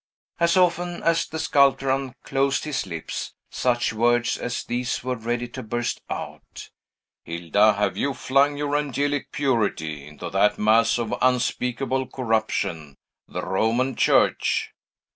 As often as the sculptor unclosed his lips, such words as these were ready to burst out: "Hilda, have you flung your angelic purity into that mass of unspeakable corruption, the Roman Church?"